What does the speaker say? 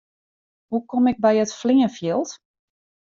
Hoe kom ik by it fleanfjild?